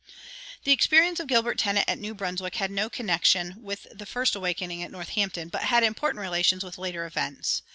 "[162:1] The experience of Gilbert Tennent at New Brunswick had no connection with the first awakening at Northampton, but had important relations with later events.